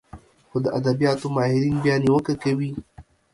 خو د ادبياتو ماهرين بيا نيوکه کوي